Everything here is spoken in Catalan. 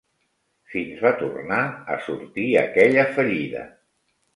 Fins va tornar a sortir aquella fallida